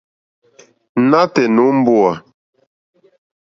Nǎtɛ̀ɛ̀ nǒ mbówà.